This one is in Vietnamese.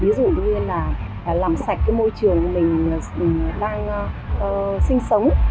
ví dụ như là làm sạch cái môi trường mình đang sinh sống